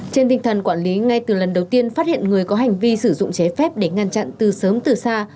trên tinh thần quản lý ngay từ lần đầu tiên phát hiện người có hành vi sử dụng chế phép để ngăn chặn từ sớm từ xa